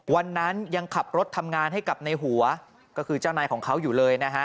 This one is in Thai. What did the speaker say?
วันนั้นยังขับรถทำงานให้กับในหัวก็คือเจ้านายของเขาอยู่เลยนะฮะ